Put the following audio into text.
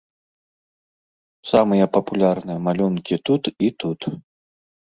Самыя папулярныя малюнкі тут і тут.